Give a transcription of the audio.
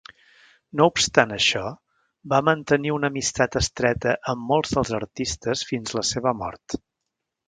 No obstant això, va mantenir una amistat estreta amb molts dels artistes fins la seva mort.